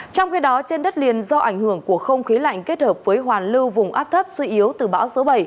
trong khi đó trên đất liền do ảnh hưởng của không khí lạnh kết hợp với hoàn lưu vùng áp thấp suy yếu từ bão số bảy